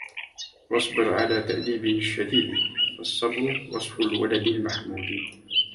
واصبر على تأديبه الشديدِِ فالصبر وصف الولد المحمودِ